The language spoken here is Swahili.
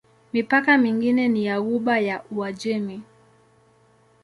Mipaka mingine ni ya Ghuba ya Uajemi.